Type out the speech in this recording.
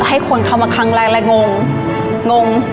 ให้คนเขามาขังแล้วแล้วงง